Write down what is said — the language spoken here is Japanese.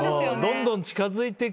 どんどん近づいてく。